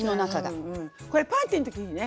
これパーティーの時にいいね。